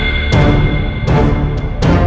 tindakan terima nih